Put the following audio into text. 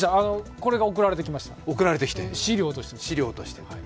これが送られてきました、資料として。